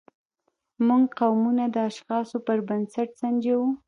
موږ قومونه د اشخاصو پر بنسټ سنجوو.